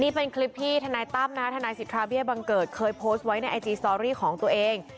นี่เป็นคลิปที่ทนายตั้มนะคะทนายสิทธาเบี้ยบังเกิดเคยโพสต์ไว้ในไอจีสตอรี่ของตัวเอง